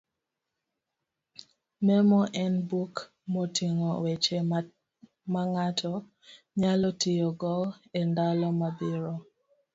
Memo en buk moting'o weche mang'ato nyalo tiyogo e ndalo mabiro.